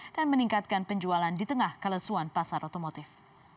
dan meningkatkan penjualan di tengah kelesuan pasar otomotif